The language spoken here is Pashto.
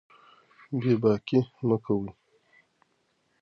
بې باکي مه کوئ.